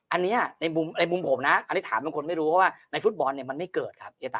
อันนี้ในมุมผมนะอันนี้ถามทุกคนไม่รู้ว่าในฟุตบอลมันไม่เกิดครับ